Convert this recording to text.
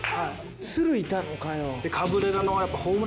鶴いたのかよ。